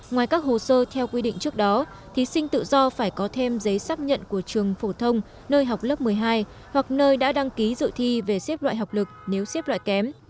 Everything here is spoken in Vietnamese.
ngoài các hồ sơ theo quy định trước đó thí sinh tự do phải có thêm giấy xác nhận của trường phổ thông nơi học lớp một mươi hai hoặc nơi đã đăng ký dự thi về xếp loại học lực nếu xếp loại kém